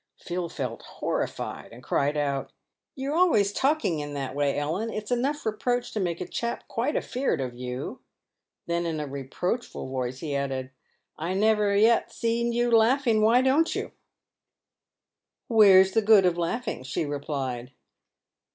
Phil felt horrified, and cried out •" You're always talking in that way, Ellen! It's enough to make a chap quite afreard of you." Then, in a reproachful voice, he added :" I never yet seed you laugh ing ; why don't you ?"" Where's the good of laughing ?" she replied.